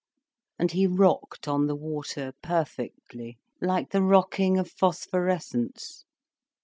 And he rocked on the water perfectly, like the rocking of phosphorescence.